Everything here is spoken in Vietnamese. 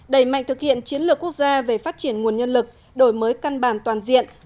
đẩy mạnh thực hiện chiến lược quốc gia về phát triển nguồn nhân lực đổi mới căn bản toàn diện